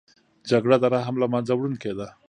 جګړه د رحم له منځه وړونکې ده